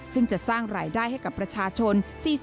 ซึ่งจะสร้างรายได้ให้กับประชาชน